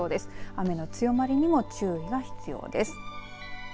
雨の強まりにも注意が必要です。